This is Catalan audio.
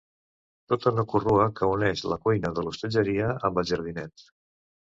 Tota una corrua que uneix la cuina de l'hostatgeria amb el jardinet.